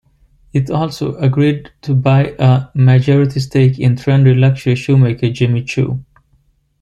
It also agreed to buy a majority stake in trendy luxury shoemaker Jimmy Choo.